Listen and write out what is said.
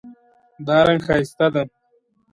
دا رنګ ښایسته ده